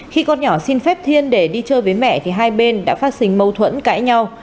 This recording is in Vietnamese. khi con nhỏ xin phép thiên để đi chơi với mẹ thì hai bên đã phát sinh mâu thuẫn cãi nhau